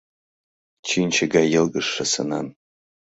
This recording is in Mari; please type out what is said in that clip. Чинче гае йылгыжше сынан...»